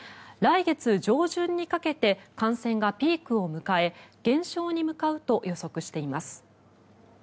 来月上旬にかけて感染がピークを迎え減少に向かうと予測しています。